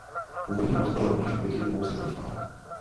Původní most byl rovněž obětí obou světových válek.